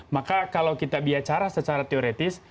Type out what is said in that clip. maka kalau kita bicara secara teoretis